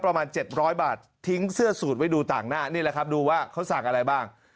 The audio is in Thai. ประมาณ๗๐๐บาททิ้งเสื้อสูตรไว้ดูต่างหน้านี่แหละครับดูว่าเขาสั่งอะไรบ้าง